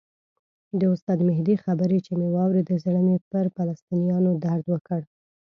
د استاد مهدي خبرې چې مې واورېدې زړه مې پر فلسطینیانو درد وکړ.